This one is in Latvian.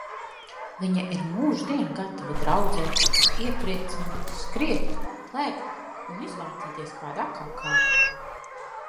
Viņa ir mūždien gatava draudzēties, iepriecināt, skriet, lēkt un izvārtīties kādā kakā.